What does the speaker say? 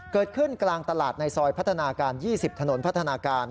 เกิดขึ้นกลางตลาดในซอยพัฒนาการ๒๐ถนนพัฒนาการ